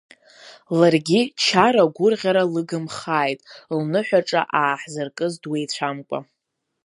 Ларгьы чара-гәырӷьара лыгымхааит, лныҳәаҿа ааҳзыркыз дуеицәамкәа!